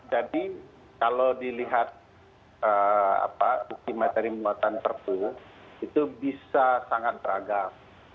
jadi kalau dilihat materi muatan perpu itu bisa sangat beragam